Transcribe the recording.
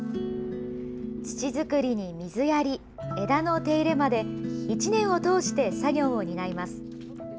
土づくりに水やり、枝の手入れまで、１年を通して作業を担います。